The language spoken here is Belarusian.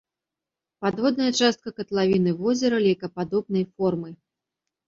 Падводная частка катлавіны возера лейкападобнай формы.